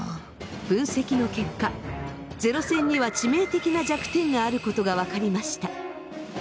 分析の結果ゼロ戦には致命的な弱点があることが分かりました。